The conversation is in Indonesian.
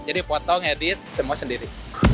jadi potong edit semua sendiri